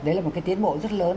đấy là một cái tiến bộ rất lớn